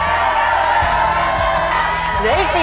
เหลืออีกสี่เส้น